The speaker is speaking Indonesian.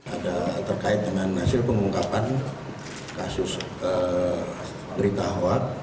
ada terkait dengan hasil pengungkapan kasus berita hoak